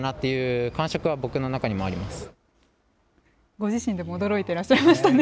ご自身でも驚いていらっしゃいましたね。